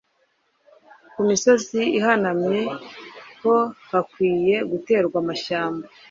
Ku misozi ihanamye ho hakwiye guterwa amashyamba